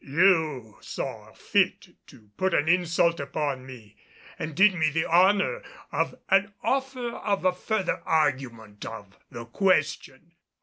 "You saw fit to put an insult upon me and did me the honor of an offer of a further argument of the question.